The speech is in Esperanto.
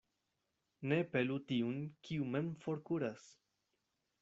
Ne pelu tiun, kiu mem forkuras.